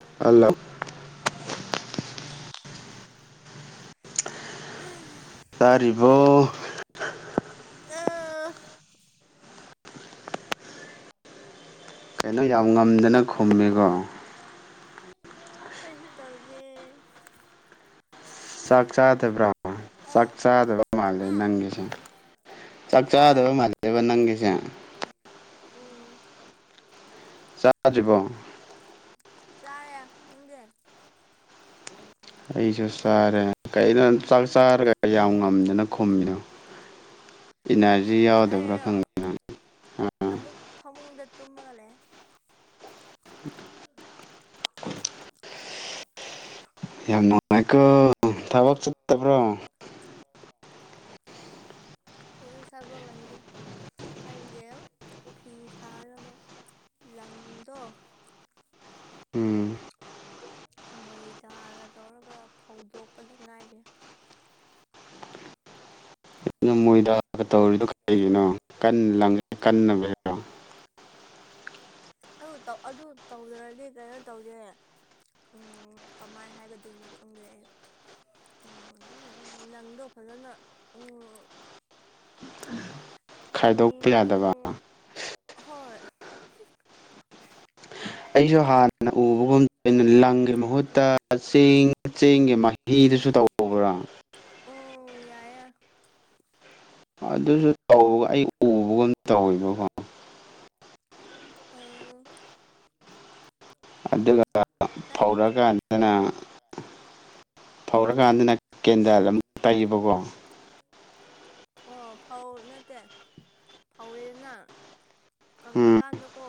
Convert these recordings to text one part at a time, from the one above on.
ꯑꯣ ꯑꯂ ꯇꯥꯔꯤꯕꯣ ꯑ ꯀꯩꯅꯣ ꯌꯥꯝ ꯉꯝꯗꯅ ꯈꯨꯝꯃꯦꯀꯣ ꯀꯩꯅꯁꯨ ꯇꯥꯎꯁꯦ ꯆꯥꯛ ꯆꯥꯗꯕ꯭ꯔꯥ ꯑ ꯆꯥꯛ ꯆꯥꯗꯕ ꯃꯥꯜꯂꯦ ꯍꯥ ꯅꯪꯒꯤꯁꯦ ꯆꯥꯛ ꯆꯥꯔꯦ ꯆꯥꯗꯕ ꯃꯥꯜꯖꯕ ꯅꯪꯒꯤꯁꯦ ꯎꯝ ꯆꯥꯗ꯭ꯔꯤꯕꯣ ꯇꯥꯔꯦ ꯎꯒꯦꯦꯜ ꯑꯩꯁꯨ ꯆꯥꯔꯦ ꯀꯩꯅꯣ ꯆꯥꯛ ꯆꯥꯔꯒ ꯌꯥꯝ ꯉꯝꯗꯅ ꯈꯨꯝꯃꯤꯗꯣ꯫ ꯏꯅꯔꯖꯤ ꯌꯥꯎꯗꯕ꯭ꯔꯥ ꯑꯩꯔꯣ ꯈꯪꯗꯅ ꯑ ꯑꯃꯨꯛ ꯐꯃꯨꯡꯗ ꯇꯨꯝꯃꯒ ꯂꯩꯑꯦ [inaudible] ꯌꯥꯝ ꯅꯨꯡꯉꯥꯏꯀꯣ ꯊꯕꯛ ꯆꯠꯇꯕ꯭ꯔꯣ [unintelligible] ꯊꯕꯛ [unintelligible] ꯑꯒꯤ ꯐꯤ ꯁꯥꯅꯕ ꯂꯪꯗꯣ ꯎꯝ ꯃꯣꯏꯗꯒ ꯇꯧꯔꯒ ꯐꯧꯗꯣꯛꯄꯗ ꯉꯥꯏꯔꯤ ꯃꯣꯏꯗꯥ ꯒꯥ ꯇꯧꯔꯤꯗꯣ ꯀꯩꯒꯤꯅꯣ ꯀꯟ ꯂꯪ ꯀꯟꯅꯕꯩꯔꯣ ꯑꯗꯨ ꯇꯧ ꯑꯗꯨ ꯇꯧꯖꯔꯗꯤ ꯀꯩꯅꯣ ꯇꯧꯗꯦ ꯎꯝ ꯀꯃꯥꯏ ꯍꯥꯏꯒꯗꯣꯏꯅꯣ ꯈꯪꯗꯦ ꯑꯩ ꯎꯝ ꯂꯪꯗꯣ ꯐꯖꯅꯥ ꯎꯝ ꯈꯥꯏꯗꯣꯛꯄ ꯌꯥꯗꯕ ꯎꯝ [inaudible] ꯑꯩꯁꯨ ꯍꯥꯟꯅ ꯎꯕꯒꯨꯝ ꯂꯪꯒꯤ ꯃꯍꯨꯠꯇ ꯆꯦꯡ ꯆꯦꯡꯒꯤ ꯃꯍꯤꯗꯨꯁꯨ ꯇꯧꯕ꯭ꯔꯥ ꯎꯝ ꯌꯥꯏꯌ‌ꯦ ꯑꯗꯨꯁꯨ ꯇꯧꯒ ꯑꯩ ꯎꯕꯒꯨꯝ ꯇꯧꯋꯦꯕꯀꯣ ꯑꯥ ꯑꯗꯨꯒ ꯅꯪ ꯐꯧꯔꯛꯑꯀꯥꯟꯗꯅꯥ ꯐꯧꯔꯀꯥꯟꯗꯅꯥ ꯀꯦꯟꯗꯜ ꯑꯃꯨꯛ ꯇꯩꯕꯀꯣ ꯑꯣ ꯐꯧ ꯅꯠꯇꯦ ꯐꯧꯔꯦꯗꯅ ꯎꯝ ꯀꯪꯉꯀꯥꯟꯗꯀꯣ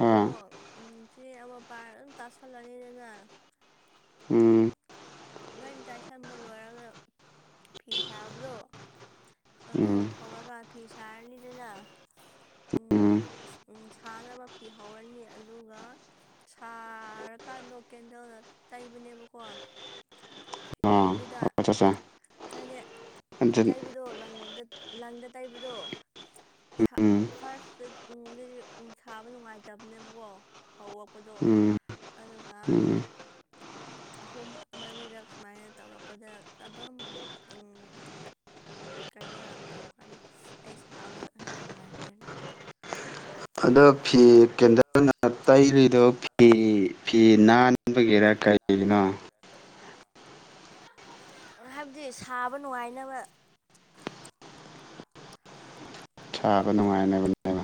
ꯑꯥ [unintelligible] ꯆꯦ ꯑꯃ ꯄꯥꯏ ꯑꯗꯨꯝ ꯇꯥꯁꯜꯂꯅꯤꯗꯅꯥ ꯎꯝ ꯂꯣꯏꯅꯇꯥꯏꯁꯟꯕ ꯂꯣꯏꯔꯒ ꯐꯤ ꯁꯥꯕꯗꯣ ꯑꯗꯨ ꯎꯝ ꯍꯧꯔꯒ ꯐꯤ ꯁꯥꯔꯅꯤꯗꯅ ꯎꯝ ꯁꯅꯕ ꯐꯤ ꯍꯧꯔꯅꯤ ꯑꯗꯨꯒ ꯁꯥꯔꯀꯥꯟꯗꯣ ꯀꯦꯟꯗꯜꯅ ꯇꯩꯕꯅꯦꯕꯀꯣ ꯑꯥ ꯂꯪꯗꯨꯗ ꯑꯆꯥ ꯆꯥ ꯍꯥꯏꯗ ꯎꯝ ꯇꯩꯕꯗꯣ ꯂꯪꯗ ꯂꯪꯗ ꯇꯩꯕꯗꯣ ꯁ ꯐꯥꯔꯁꯇ ꯎꯝ ꯗꯗꯤ ꯁꯥꯕ ꯅꯨꯡꯉꯥꯏꯇꯕꯅꯦꯕꯀꯣ ꯍꯧꯔꯛꯄꯗꯣ ꯎꯝ ꯑꯗꯨꯒ ꯎꯝ ꯑꯍꯨꯝ ꯃꯔꯤꯔꯛ ꯁꯨꯃꯥꯏꯅ ꯇꯧꯔꯛꯄꯗ ꯑꯗꯨꯝ ꯀꯩꯅꯣ ꯌꯥꯝ ꯇꯧꯈ꯭ꯔꯅꯤ ꯑꯩ ꯁꯥꯕ ꯌꯥꯝ ꯅꯨꯡꯉꯥꯏꯈ꯭ꯔꯅꯤ ꯑꯗꯣ ꯐꯤ ꯀꯦꯟꯗꯜꯅ ꯇꯩꯔꯤꯗꯣ ꯐꯤ ꯐꯤ ꯅꯥꯟꯕꯒꯤꯔꯥ ꯀꯩꯒꯤꯅꯣ [inaudible] ꯍꯥꯏꯕꯗꯤ ꯁꯥꯕ ꯅꯨꯡꯉꯥꯏꯅꯕ ꯁꯥꯕ ꯅꯨꯡꯉꯥꯏꯅꯕꯅꯦꯕ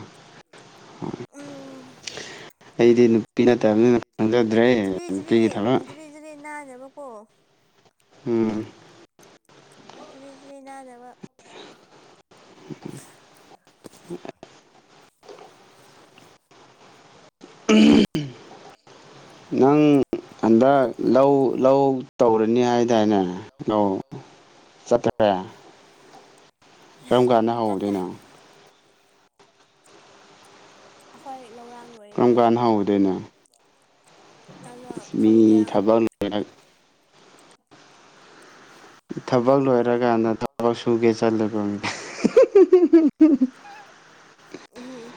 ꯑꯩꯗꯤ ꯅꯨꯄꯤ ꯅꯠꯇꯕꯅꯤꯅ ꯈꯪꯖꯗ꯭ꯔꯦ ꯖꯤꯔꯤ ꯖꯤꯔꯤ ꯅꯨꯄꯤꯒꯤ ꯊꯕꯛ ꯖꯤꯔꯤ ꯖꯤꯔꯤ ꯅꯥꯅꯕꯀꯣ ꯎꯝ ꯖꯤꯔꯤ ꯖꯤꯔꯤ ꯅꯥꯟꯅꯕ [inaudible] ꯎꯝ ꯅꯪ ꯍꯟꯗꯛ ꯂꯧ ꯂꯧ ꯇꯧꯔꯅꯤ ꯍꯥꯏꯗꯥꯏꯅꯦ ꯑꯧ ꯆꯠꯇꯔꯦ ꯀꯔꯝ ꯀꯥꯟꯗ ꯆꯠꯇꯦ ꯍꯧꯗꯣꯏꯅꯣ ꯑꯈꯣꯏ ꯂꯧꯔꯥꯡ ꯀꯔꯝ ꯂꯣꯏꯈ꯭ꯔꯦ ꯀꯥꯟꯗ ꯍꯧꯗꯣꯏꯅꯣ ꯑꯗꯣ ꯃꯤ ꯈꯪꯗꯦ ꯊꯥꯕꯛ [unintelligible] [inaudible] ꯊꯕꯛ ꯂꯣꯏꯔꯀꯥꯟꯗ ꯑꯣ ꯁꯨꯝ ꯀꯦꯁꯟꯅꯕꯅꯤ ꯎꯝ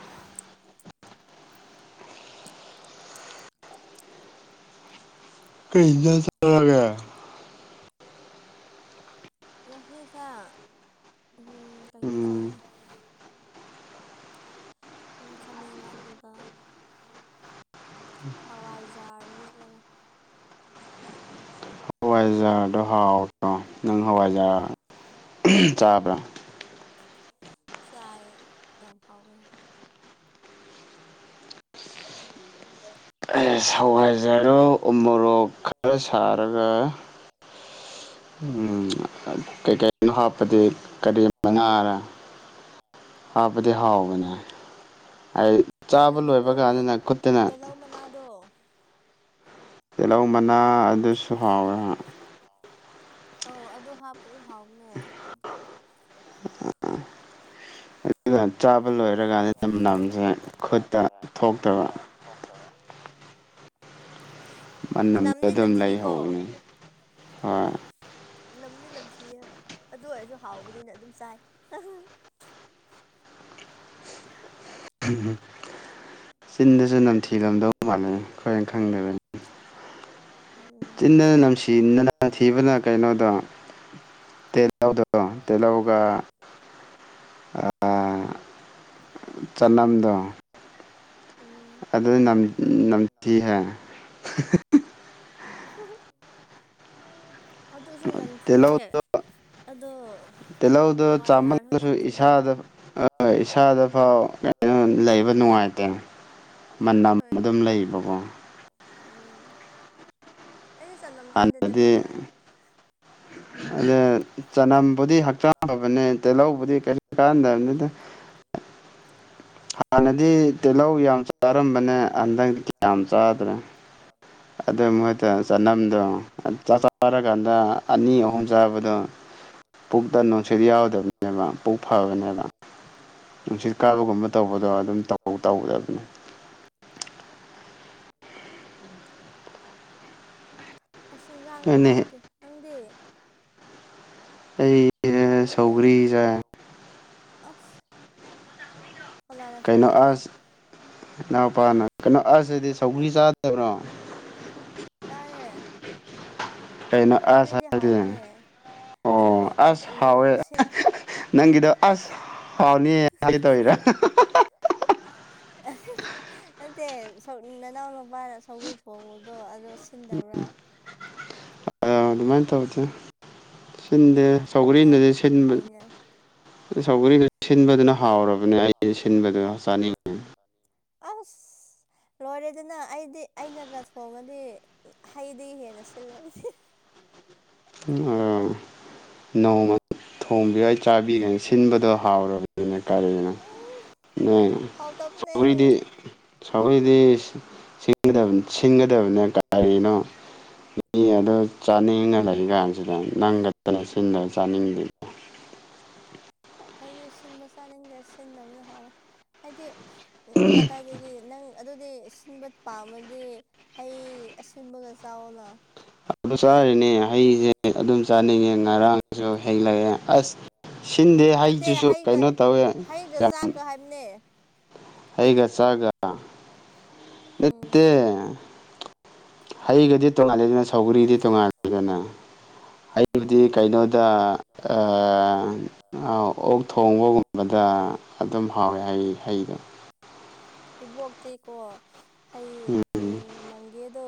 ꯀꯩꯗ ꯆꯒ ꯉꯁꯦ ꯀꯩꯅꯣ ꯎꯝ ꯆꯥꯏ ꯈꯥꯃꯦꯟꯒꯂꯨꯒ ꯍꯋꯥꯏꯖꯥꯔ ꯃꯦꯠꯂꯒ ꯍꯋꯥꯏꯖꯥꯗꯣ ꯍꯥꯎꯠꯇ꯭ꯔꯣ ꯅꯪ ꯍꯋꯥꯏꯖꯥ ꯆꯥꯕ꯭ꯔꯥ ꯆꯥꯏ ꯌꯥꯝ ꯍꯥꯎꯋꯦ ꯁꯋꯥꯏꯖꯔꯣ ꯎ ꯃꯣꯔꯣꯛ ꯈꯔ ꯁꯥꯔꯒ ꯎ ꯀꯩꯀꯩꯅꯣ ꯍꯥꯞꯄꯗꯤ ꯀꯔꯤ ꯃꯉꯥꯔ ꯍꯥꯕꯗꯤ ꯍꯥꯎꯕꯅꯤ ꯀꯩꯅꯣꯗꯣ ꯇꯦꯍꯧ ꯃꯅꯥꯗꯣ ꯇꯤꯜꯍꯧ ꯃꯅꯥ ꯑꯗꯨꯁꯨ ꯍꯥꯎꯋꯦ ꯑ ꯑꯗꯨ ꯍꯥꯞꯄ ꯍꯥꯎꯕꯅꯦ ꯑꯥ ꯑꯗꯨꯗꯨ ꯆꯥꯕ ꯂꯣꯏꯔꯀꯥꯟꯅꯤꯗ ꯃꯅꯝꯁꯦ ꯈꯨꯠꯇ ꯊꯣꯛꯇꯕ ꯃꯗ ꯅꯝꯗꯤ ꯑꯗꯨꯝ ꯅꯝꯊꯤꯀꯣ ꯂꯩꯍꯧꯕꯅꯤ ꯍꯣꯏ ꯅꯝꯗꯤ ꯅꯝꯊꯤꯌꯦ ꯑꯗꯨ ꯑꯣꯏꯔꯁꯨ ꯍꯥꯎꯕꯅꯤꯅ ꯑꯗꯨꯝ ꯆꯥꯏ ꯎꯝ ꯆꯤꯟꯗꯁꯨ ꯅꯝꯊꯤꯂꯝꯗꯧ ꯃꯥꯜꯂꯦ ꯈꯔꯦꯟ ꯈꯪꯗꯕꯅꯤ ꯎꯝ ꯆꯤꯗꯅ ꯅꯝꯁꯤꯅ ꯊꯤꯕꯅ ꯀꯩꯅꯣꯗꯣ ꯇꯗ ꯇꯂꯒ ꯆꯅꯥꯝꯗ ꯎꯝ ꯑꯗꯨ ꯅꯝꯊꯤꯍꯦ ꯎ ꯑꯗꯨꯁꯨ ꯅꯝꯊꯤꯑꯦ ꯇꯤꯜꯍꯧꯗ ꯆꯥꯃꯜꯁꯨ ꯅꯝꯊꯤꯌꯦ ꯏꯁꯥꯗ ꯍꯣꯏ ꯏꯁꯥꯗ ꯐꯥꯎ ꯀ ꯂꯩꯕ ꯅꯨꯡꯉꯥꯏꯇꯦ ꯃꯅꯝ ꯍꯣꯏ ꯑꯗꯨꯝ ꯂꯩꯕꯀꯣ ꯎꯝ ꯑꯩꯗꯤ ꯆꯅꯝ ꯆꯥꯗꯦ ꯍꯥꯟꯅꯗꯤ ꯇꯤꯍꯧ ꯆꯥꯏ ꯑꯗ ꯆꯅꯝꯕꯨꯗꯤ ꯍꯛꯆꯥꯡ ꯐꯕꯅꯦ ꯇꯤꯜꯍꯧꯕꯨꯗꯤ ꯀꯔꯤ ꯀꯥꯟꯗꯕꯅꯤꯗ [unintelligible] ꯍꯥꯟꯅꯗꯤ ꯇꯤꯜꯍꯧ ꯌꯥꯝ ꯆꯥꯔꯝꯕꯅꯦ ꯍꯟꯗꯛꯇ ꯌꯥꯝ ꯆꯥꯗ꯭ꯔꯦ ꯑꯗꯨ ꯃꯣꯏꯠꯇ ꯆꯅꯝꯗꯣ ꯆꯥꯛ ꯆꯥꯔꯀꯥꯟꯗ ꯑꯅꯤ ꯑꯍꯨꯝ ꯆꯥꯕꯗꯣ ꯄꯨꯛꯇ ꯅꯨꯡꯁꯤꯠ ꯌꯥꯎꯗꯕꯅꯦꯕ ꯄꯨꯛ ꯐꯕꯅꯦꯕ ꯅꯨꯡꯁꯤꯠ ꯀꯥꯕꯒꯨꯝꯕ ꯇꯧꯕꯗꯣ ꯑꯗꯨꯝ ꯇꯧ ꯑꯗꯨꯝ ꯇꯧ ꯇꯧꯔꯗꯤ ꯑꯁ ꯏꯟꯖꯥꯡꯁꯨ ꯑꯗꯨꯅꯦ ꯍꯥꯎꯇꯦ ꯅꯪꯗꯤ ꯑꯩ ꯁꯧꯒ꯭ꯔꯤꯁꯦ ꯑꯐ ꯀꯩꯅꯣ ꯑ ꯏꯅꯥꯎꯄꯥꯅ ꯀꯩꯅꯣ ꯑꯗꯤ ꯊꯧꯒ꯭ꯔꯤ ꯆꯥꯗꯕ꯭ꯔꯣ ꯆꯥꯔꯦ ꯇꯩꯅꯣ ꯁꯧꯒ꯭ꯔꯤꯗꯤ ꯑꯁꯗ ꯍꯥꯎꯕꯅꯦ ꯑꯗꯣ ꯑꯣ ꯑꯁ ꯍꯥꯎꯋꯦ ꯁꯤ ꯅꯪꯒꯤꯗ ꯑꯁ ꯍꯥꯎꯅꯤ ꯍꯥꯏꯇ ꯍꯔ ꯅꯅꯥꯎꯅ ꯅꯨꯄꯥꯅ ꯁꯧꯒ꯭ꯔꯤ ꯊꯣꯡꯕꯗꯣ ꯑꯗꯣ ꯁꯤꯟꯗꯕ꯭ꯔꯥ ꯑ ꯑꯗꯨꯃꯥꯏꯅ ꯇꯕꯗ ꯁꯤꯟꯗꯦ ꯑꯣ ꯌꯥꯝ ꯆꯥꯎꯧꯒꯔꯤꯟꯅꯗꯦ ꯁꯤꯟꯕ ꯐꯩꯅ ꯁꯧꯒꯔꯤꯗꯨ ꯁꯤꯟꯕꯗꯨꯅ ꯍꯥꯎꯔꯕꯅꯦ ꯑꯩ ꯁꯤꯟꯕꯗꯨ ꯆꯥꯅꯤꯡꯉꯤꯦ ꯑ ꯂꯣꯏꯔꯦꯗꯅ ꯑꯩꯗꯤ ꯑꯩꯅꯒ ꯊꯣꯡꯉꯗꯤ ꯍꯩꯗꯤ ꯍꯦꯟꯅ ꯁꯤꯜꯂꯦ ꯑꯩꯗꯤ [unintelligible] ꯑ ꯅꯣꯡꯃ ꯊꯣꯡꯕꯤꯒꯩ ꯆꯥꯕꯤꯒꯩ ꯁꯤꯟꯕꯗꯣ ꯍꯥꯎꯔꯕꯅꯤꯅ ꯇꯔꯦꯅ ꯍꯥꯎꯋꯦ ꯍꯥꯏꯇꯥꯔꯦ꯫ ꯍꯥꯎꯇꯕꯅꯦ ꯆꯔꯤꯗꯤ ꯑꯩꯈꯏꯗꯤ ꯁꯤꯟꯒꯗꯕꯅꯦ ꯀꯔꯤꯅꯣ ꯃꯤ ꯑꯗꯨꯣ ꯆꯥꯅꯤꯡꯉ ꯁꯤ ꯀꯥꯟꯁꯤꯗ ꯅꯪꯒꯛꯇꯅ ꯁꯤꯤꯟꯗ ꯆꯥꯅꯤꯡꯗꯦꯗ ꯑꯩꯗꯤ ꯁꯤꯟꯕ ꯆꯥꯅꯤꯡꯗ ꯁꯤꯟꯗꯕꯅ ꯍꯥꯎꯋꯦ ꯍꯥꯏꯗꯤ ꯎ ꯀꯗꯥꯏꯗꯒꯤ ꯅꯪ ꯑꯗꯨꯗꯤ ꯁꯤꯟꯕ ꯄꯥꯝꯃꯗꯤ ꯍꯩ ꯑꯁꯤꯟꯕꯒ ꯆꯥꯎꯅ ꯑꯗꯨ ꯆꯥꯔꯤꯅꯦ ꯍꯩꯁꯦ ꯑꯗꯨꯝ ꯆꯥꯅꯤꯡꯉꯦ ꯉꯔꯥꯡꯁꯨ ꯍꯦꯜꯂꯛꯑꯦ ꯑꯁ ꯁꯤꯟꯗꯦ ꯅꯠꯇꯦ ꯍꯥꯏꯗꯨꯁꯨ ꯍꯩꯒ ꯀꯩꯅꯣ ꯇꯧꯋꯦ ꯍꯩꯒ ꯌꯥꯝ ꯆꯥꯛꯀ ꯍꯥꯏꯕꯅꯦ ꯑꯩꯒ ꯆꯥꯒ ꯅꯠꯇꯦ ꯎꯝ ꯍꯩꯒꯗꯤ ꯇꯣꯉꯥꯜꯂꯤꯗꯅ ꯁꯧꯒꯔꯤꯗꯤ ꯇꯣꯉꯥꯜꯂꯤꯗꯅ ꯑꯩꯕꯨꯗꯤ ꯎꯝ ꯀꯩꯅꯣꯗ ꯑꯣꯛ ꯊꯣꯡꯕꯒꯨꯝꯕꯗ ꯑꯗꯨꯝ ꯍꯥꯎꯋꯦ ꯍꯩ ꯍꯩꯗꯣ ꯏꯕꯣꯛꯇꯤꯀꯣ ꯍꯩ ꯎꯝ ꯃꯪꯒꯦꯗꯣ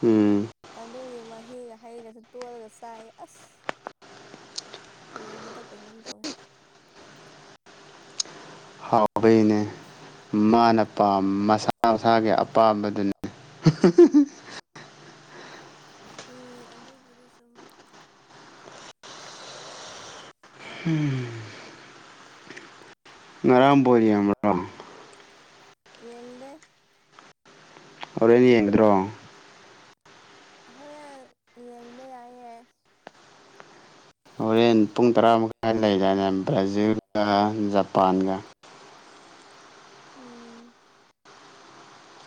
ꯎꯝ ꯑꯗꯨꯒꯤ ꯃꯍꯤꯒ ꯍꯩꯒꯁ ꯇꯣꯜꯂꯒ ꯆꯥꯏ ꯑꯁ ꯌꯦꯡꯕꯗ ꯀꯩꯅꯣꯝ ꯇꯧꯋꯤ ꯍꯥꯎꯕꯩꯅꯦ ꯃꯥꯅꯄꯥ ꯃꯁꯥ ꯃꯁꯥꯒꯤ ꯄꯥꯝꯕꯗꯨꯅꯤ ꯎꯝ ꯑꯗꯨꯕꯨꯗꯤ ꯆꯨꯝ ꯎꯝ ꯉꯔ ꯄꯔꯤꯣ ꯌꯦꯡꯗꯦ ꯍꯣꯔꯦꯟꯅ ꯌꯦꯡꯒꯗ꯭ꯔꯣ ꯍꯔ ꯌꯦꯡꯕ ꯌꯥꯏꯦ ꯍꯣꯔꯦꯟ ꯄꯨꯡ ꯇꯔꯥ ꯃꯈꯥꯏ ꯂꯩꯔꯅꯦ ꯕ꯭ꯔꯥꯖꯤꯜꯒ ꯖꯄꯥꯟꯒ ꯎ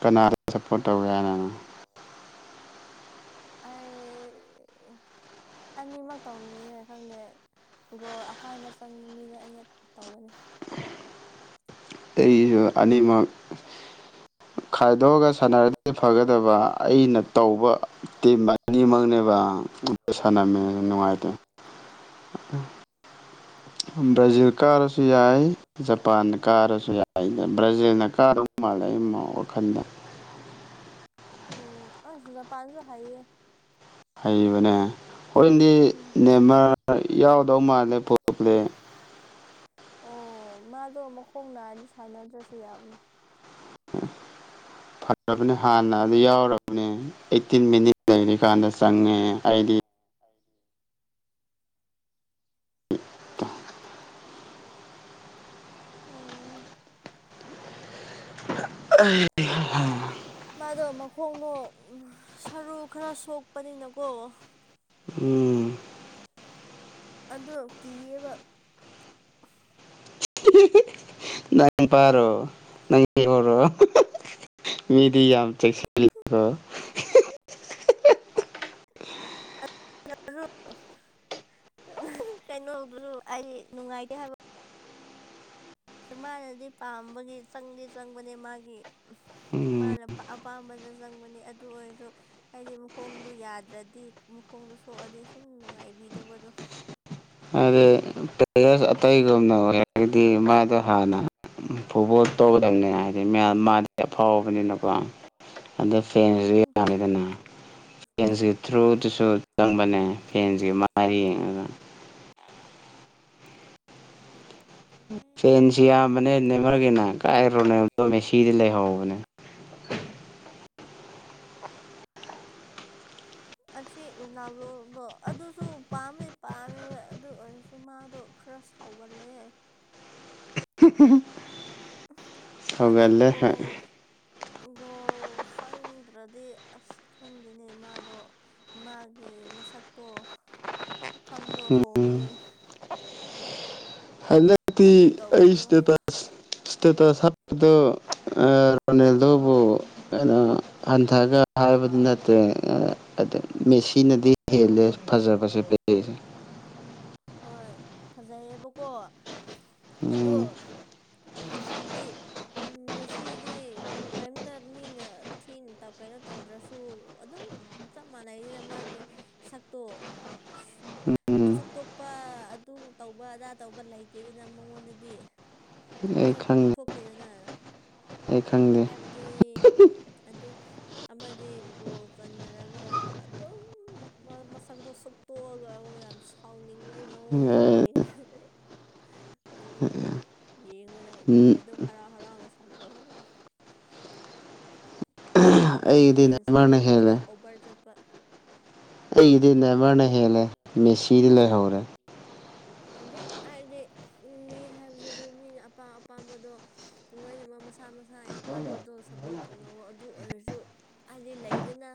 ꯀꯅꯥꯗ ꯁꯞꯄꯣꯔꯠ ꯇꯧꯒꯦ ꯍꯥꯏꯅꯅꯣ ꯑꯩ ꯑꯅꯤꯃ ꯇꯧꯅꯤꯡꯉꯦ ꯈꯪꯗꯦ ꯒꯣ ꯑꯍꯥꯟꯕ ꯃꯆꯪ ꯃꯤꯅꯣ ꯑꯩꯅ ꯇꯧꯒꯅꯤ ꯑꯩꯁꯨ ꯑꯅꯤꯃꯛ ꯐꯥꯏꯗꯣꯒ ꯁꯥꯟꯅꯔꯗꯤ ꯐꯒꯗꯕ ꯑꯩꯅ ꯇꯧꯕ ꯇꯤꯝ ꯑꯅꯤꯃꯛꯅꯦꯕ ꯝꯃꯦ ꯎꯝ ꯅꯨꯡꯉꯥꯏꯇꯦ ꯭ꯔꯖꯤ ꯀꯥꯔꯁꯨ ꯌꯥꯏ ꯖꯄꯥꯟꯗ ꯀꯥꯔꯁꯨ ꯌꯥꯏ ꯕ꯭ꯔꯥꯖꯤꯜꯅ ꯀꯥꯔ ꯃꯥꯜꯂꯦ ꯀꯗ ꯎꯝ ꯑ ꯍꯅ ꯄꯁꯨ ꯍꯥꯏꯌꯦꯌꯦ ꯍꯩꯕꯅꯦ ꯍꯣꯏꯗꯤ ꯎꯝ ꯅꯦꯝꯃꯔ ꯌꯥꯎꯗꯧ ꯃꯥꯜꯂꯦ ꯄꯨꯂꯣꯛꯂꯦ ꯑꯣ ꯃꯥꯗꯣ ꯃꯈꯣꯡ ꯅꯥꯔꯗꯤ ꯁꯥꯟꯅꯗ꯭ꯔꯁꯨ ꯌꯥꯝꯅꯦ ꯐ ꯌꯔꯕꯅꯤ ꯍꯥꯟꯅ ꯌꯥꯎꯔꯕꯅꯦ ꯑꯩꯠꯇꯤꯟ ꯃꯤꯅꯤꯠ ꯂꯩꯔꯤꯀꯥꯟꯗ ꯆꯪꯉꯦ ꯑꯩꯗꯤ ꯑꯣ ꯑꯦ ꯃꯥꯗꯣ ꯃꯈꯣꯡꯗꯣ ꯁꯔꯨ ꯈꯔ ꯁꯣꯛꯄꯅꯤꯅꯀꯣ ꯎꯝ ꯑꯗꯣ ꯀꯤꯌꯦꯕ ꯅꯪ ꯄꯥꯔꯣ ꯅꯪ [unintelligible] ꯃꯤꯗꯤ ꯌꯥꯝ ꯆꯦꯁꯤꯜꯂꯤꯀꯣ [inaudible] ꯌꯥꯔꯨꯛ [unintelligible] ꯀꯩꯅꯣꯗꯨꯁꯨ ꯑꯩ ꯅꯨꯡꯉꯥꯏꯇꯦ ꯍꯥꯏꯕ ꯃꯥꯅꯗꯤ ꯄꯥꯝꯕꯒꯤ ꯆꯪꯗꯤ ꯆꯪꯕꯅꯦ ꯃꯥꯒꯤ ꯎꯝ ꯃꯥꯅ ꯑꯄꯥꯝꯕꯗ ꯆꯪꯕꯅꯦ ꯑꯗꯨ ꯑꯣꯏꯔꯁꯨ ꯍꯥꯏꯗꯤ ꯃꯈꯣꯡꯗꯨ ꯌꯥꯗ꯭ꯔꯗꯤ ꯈꯣꯡꯗꯣ ꯁꯣꯛꯑꯗꯤ ꯁꯨꯝ ꯅꯨꯡꯉꯥꯏꯕꯤꯗꯕꯗꯣ ꯍꯥꯏꯗꯤ ꯇꯦꯒꯔꯁ ꯑꯇꯩꯒꯨꯝꯅ ꯑꯣꯏꯔꯒꯗꯤ ꯃꯥꯗꯣ ꯍꯥꯟꯅ ꯐꯨꯠꯕꯣꯜ ꯇꯧꯒꯗꯝꯅꯦ ꯍꯥꯏꯗꯤ ꯃ ꯃꯥꯗꯤ ꯑꯐꯥꯎꯕꯅꯤꯅꯀꯣ ꯑꯗ ꯐꯦꯟꯁꯨ ꯎꯝ ꯌꯥꯝꯃꯤꯗꯅ ꯐꯦꯟꯁꯨ ꯑꯥ ꯊ꯭ꯔꯨꯗꯨꯁꯨ ꯆꯪꯕꯅꯦ ꯐꯦꯟꯁꯒꯤ ꯃꯥꯥꯏꯗ ꯌꯦꯡꯉꯒ ꯑꯗꯨꯕꯨꯗꯤ ꯆꯨꯝꯃꯦ ꯐꯦꯟꯁ ꯌꯥꯝꯕꯅꯦ ꯅꯦꯃꯔꯒꯤꯅ ꯀꯥꯏ ꯔꯣꯅꯦꯜꯗꯣ ꯃꯦꯁꯤꯗꯤ ꯂꯩꯍꯧꯕꯅꯦ [inaudible] ꯑꯆꯤꯥ ꯔꯣꯅꯥꯜꯗꯣꯗꯣ ꯑꯗꯨꯁꯨ ꯄꯥꯝꯗꯤ ꯄꯥꯝꯃꯦꯕ ꯑꯗꯨ ꯑꯣꯏꯔꯁꯨ ꯃꯥꯗꯣ ꯈꯔ ꯁꯥꯎꯒꯜꯂꯦ ꯃꯥꯗꯣ ꯁꯥꯎꯒꯜꯂꯦ ꯍꯣꯏ ꯒꯣꯜ ꯒꯣꯜ ꯆꯪꯗ꯭ꯔꯗꯤ ꯑꯁ ꯈꯪꯗꯦꯅꯦ ꯃꯥꯗꯣ ꯃꯥꯒꯤ ꯃꯁꯛꯇꯣ ꯁꯛꯐꯝꯗꯣ ꯎꯝ ꯍꯣꯡꯉꯦ ꯍꯂ ꯂꯛ ꯇꯤ ꯑꯗꯨ ꯑꯩ ꯇꯧꯕꯗꯣ ꯏꯁꯇꯦꯇꯁ ꯏꯁ꯭ꯇꯦꯇꯁ ꯍꯥꯞꯄꯗꯣ ꯔꯣꯅꯦꯜꯗꯣꯕꯨ ꯀꯩꯅꯣ ꯍꯟꯊꯒ ꯍꯥꯏꯕꯗꯤ ꯅꯠꯇꯦ ꯑ ꯑꯗꯨ ꯃꯦꯁꯤꯅꯗꯤ ꯍꯦꯜꯂꯦ ꯐꯖꯕꯁꯦ ꯄꯂꯦ ꯍꯣꯏ ꯐꯖꯩꯌꯦꯕꯀꯣ ꯑꯗꯣ ꯎꯝ ꯍꯥꯏꯕꯗꯤ ꯃꯦꯁꯤꯗꯤ ꯀꯩꯝꯇ ꯃꯤꯅ ꯊꯤꯅ ꯀꯩꯅꯣ ꯇꯧꯗ꯭ꯔꯁꯨ ꯑꯗꯨꯝ ꯆꯞ ꯃꯥꯟꯅꯩꯗꯅ ꯃꯥꯒꯤ ꯁꯛꯇꯣ ꯎꯝ ꯄ ꯑꯗꯨ ꯇꯧꯕ ꯑꯗꯥ ꯇꯧꯕ ꯂꯩꯇꯦꯗꯅ ꯃꯉꯣꯟꯗꯗꯤ ꯑꯩ ꯃꯁꯛꯇꯣ ꯈꯪꯉꯦ ꯎꯠꯊꯣꯛꯇꯦꯗꯅ ꯑꯩ ꯈꯪꯗꯦ ꯍꯥꯏꯕꯗꯤ ꯑꯗꯨ ꯑꯃꯗꯤ ꯒꯣꯜ ꯄꯟꯗ꯭ꯔꯒ ꯑꯗꯨꯝ ꯃꯁꯛꯇꯣ ꯁꯨꯛꯇꯣꯛꯑꯒ ꯌꯥꯝ ꯁꯥꯎꯅꯤꯡ ꯎꯝ [inaudible] ꯑꯩ ꯌꯦꯡꯕꯗ ꯍꯩꯅꯗꯦ ꯑꯗꯨꯝ ꯍꯔꯥꯎ ꯍꯔꯥꯎꯅ ꯁꯥꯟꯅꯧ ꯍꯥꯏꯕ [inaudible] ꯃꯥꯒꯤ ꯑꯩꯒꯤꯗꯤ ꯐꯦꯟꯁꯤꯡꯁꯨ ꯅꯦꯃꯥꯔꯅ ꯈꯔ ꯍꯦꯜꯂꯦ ꯑꯣꯚꯔ ꯆꯠꯄ ꯑꯩꯒꯤꯗꯤ ꯅꯦꯃꯔꯅ ꯍꯦꯜꯂꯦ ꯃꯦꯁꯤꯗꯤ ꯂꯩꯍꯧꯔꯦ ꯑꯗꯨꯝ ꯍꯥꯏꯗꯤ ꯃꯤ ꯍꯥꯏꯕꯁꯤꯗꯤ ꯃꯤꯅ ꯑꯄꯥꯝ ꯑꯄꯥꯝꯕꯗꯣ ꯂꯣꯏꯅꯃꯛ ꯃꯁꯥ ꯃꯁꯥꯒꯤ ꯑꯄꯥꯝꯕꯗꯣ ꯁ꯭ꯄꯣꯔꯠ ꯇꯧꯅꯧꯑꯣ ꯑꯗꯨ ꯑꯣꯏꯔꯁꯨ ꯍꯥꯏꯗꯤ ꯂꯩꯗꯅ